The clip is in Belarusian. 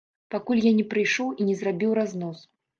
Пакуль я не прыйшоў і не зрабіў разнос.